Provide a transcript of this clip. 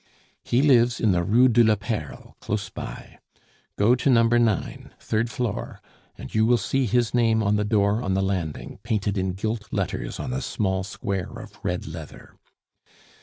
He lives in the Rue de la Perle close by. Go to No. 9, third floor, and you will see his name on the door on the landing, painted in gilt letters on a small square of red leather.